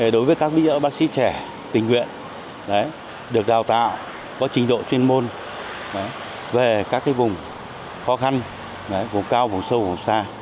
đối với các bác sĩ trẻ tình nguyện được đào tạo có trình độ chuyên môn về các vùng khó khăn vùng cao vùng sâu vùng xa